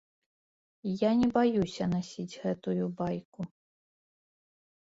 Я не баюся насіць гэтую байку.